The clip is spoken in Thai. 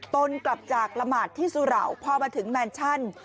นกลับจากละหมาดที่สุเหล่าพอมาถึงแมนชั่น